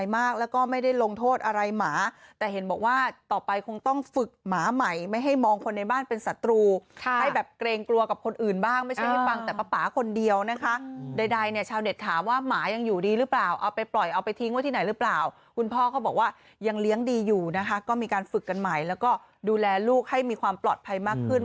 มองคนในบ้านเป็นสัตว์ตรูให้แบบเกรงกลัวกับคนอื่นบ้างไม่ใช่พี่พางน์แต่ป๊าคนเดียวนะค่ะใดเนี่ยชาวเด็ดถามว่าหมายังอยู่ดีรึเปล่าเอาไปปล่อยเอาไปทิ้งแล้วที่ไหนรึเปล่าคุณพ่อก็บอกว่ายังเลี้ยงดีอยู่นะครับก็มีการฝึกกันใหม่แล้วก็ดูแลลูกให้มีความปลอดภัย